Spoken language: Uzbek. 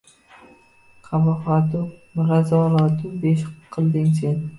Qabohatu razolatni pesh qilding Sen.